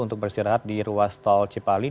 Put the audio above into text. untuk bersirahat di ruas tol cipali